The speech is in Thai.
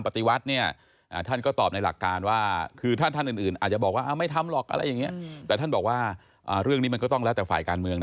ผอบัวบอธธธันทร์ใหม่ต้องถูกถาม